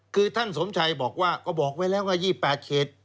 คือท่านสมชัยบอกว่าก็บอกไว้แล้วว่า๒๘เขต